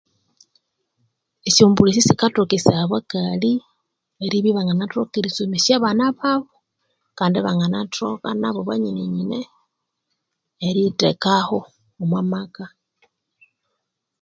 Esyombulho ensi sikatokesaya abakali eribya ibanganasomesya abana babu Kandi ibanganatoka nabo bonyinenyine eriyitekaho omwamaka wabo